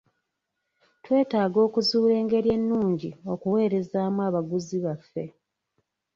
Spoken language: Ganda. Twetaaga okuzuula engeri ennungi okuweerezaamu abaguzi baffe.